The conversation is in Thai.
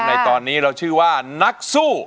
ในตอนนี้เราชื่อว่านักสู้